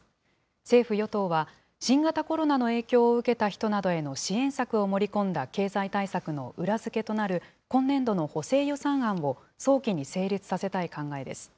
政府・与党は、新型コロナの影響を受けた人などへの支援策を盛り込んだ経済対策の裏付けとなる今年度の補正予算案を、早期に成立させたい考えです。